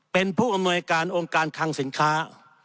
เป็นผู้อำนวยการองค์การคังสินค้า